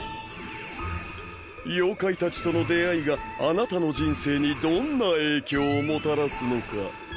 妖怪たちとの出会いがあなたの人生にどんな影響をもたらすのか。